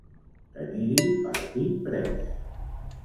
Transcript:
Tenir-hi partit pres.